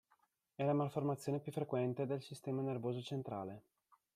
È la malformazione più frequente del sistema nervoso centrale.